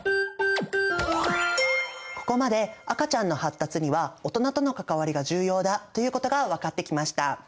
ここまで赤ちゃんの発達には大人との関わりが重要だということが分かってきました。